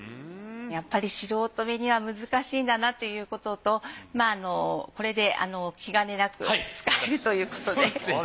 やっぱり素人目には難しいんだなということとこれで気兼ねなく使えるということで。